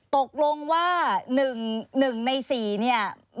ตกลงว่า๑ใน๔เนี่ย